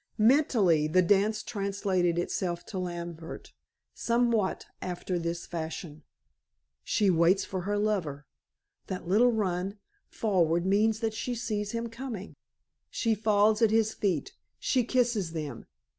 Mentally, the dance translated itself to Lambert somewhat after this fashion: "She waits for her lover. That little run forward means that she sees him coming. She falls at his feet; she kisses them.